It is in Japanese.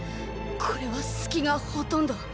これは隙がほとんど。